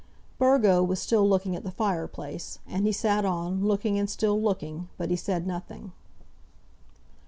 Burgo was still looking at the fireplace; and he sat on, looking and still looking, but he said nothing.